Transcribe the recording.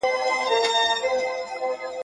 ظالمه یاره سلامي ولاړه ومه.